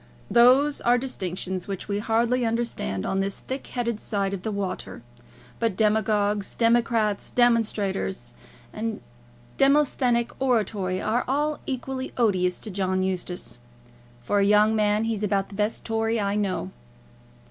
"Those are distinctions which we hardly understand on this thick headed side of the water. But demagogues, democrats, demonstrations, and Demosthenic oratory are all equally odious to John Eustace. For a young man he's about the best Tory I know."